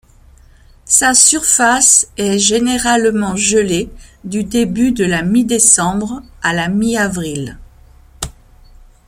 Sa surface est généralement gelée du début de la mi-décembre à la mi-avril.